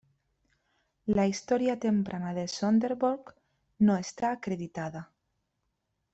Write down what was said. La historia temprana de Sønderborg no está acreditada.